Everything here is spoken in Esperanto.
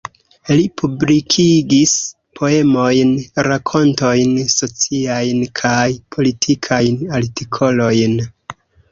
Li publikigis poemojn, rakontojn, sociajn kaj politikajn artikolojn.